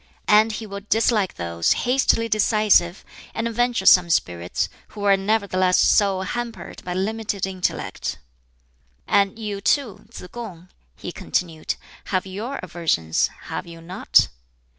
And he will dislike those hastily decisive and venturesome spirits who are nevertheless so hampered by limited intellect." "And you, too, Tsz kung," he continued, "have your aversions, have you not?"